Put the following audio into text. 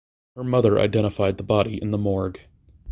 Her mother identified the body in the morgue.